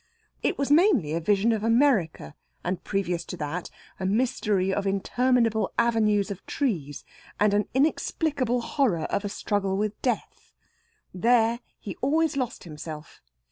It was mainly a vision of America, and, previous to that, a mystery of interminable avenues of trees, and an inexplicable horror of a struggle with death. There he always lost himself.